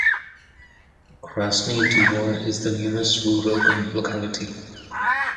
Krasny Dvor is the nearest rural locality.